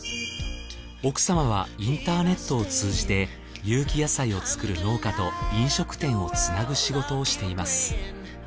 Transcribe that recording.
奥様はインターネットを通じて有機野菜を作る農家と飲食店をつなぐ仕事をしています。